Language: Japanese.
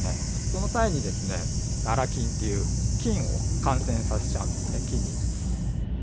その際にナラ菌という菌を感染させちゃうんですね、木に。